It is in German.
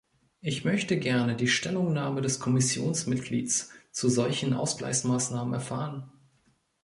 Ich möchte gerne die Stellungnahme des Kommissionsmitglieds zu solchen Ausgleichsmaßnahmen erfahren.